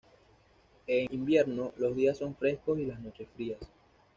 En invierno, los días son frescos y las noches frías.